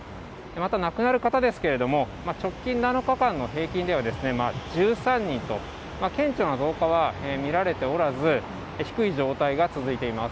また亡くなる方ですけれども、直近７日間の平均では、１３人と、顕著な増加は見られておらず、低い状態が続いています。